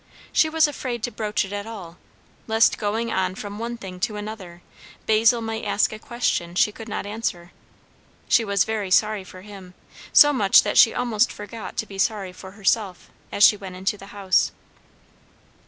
She was afraid to broach it at all, lest going on from one thing to another, Basil might ask a question she could not answer. She was very sorry for him, so much that she almost forgot to be sorry for herself, as she went into the house.